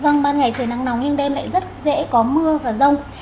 vâng ban ngày trời nắng nóng nhưng đêm lại rất dễ có mưa và rông